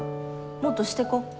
もっとしてこ。